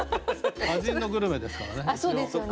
「歌人のグルメ」ですからね一応。